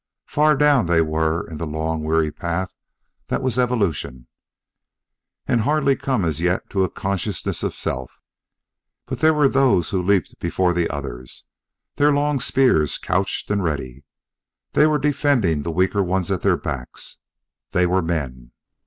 Far down they were, in the long, weary path that was evolution, and hardly come as yet to a consciousness of self but there were those who leaped before the others, their long spears couched and ready; they were defending the weaker ones at their backs; they were men!